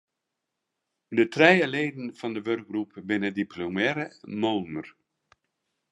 Trije leden fan dy wurkgroep binne diplomearre moolner.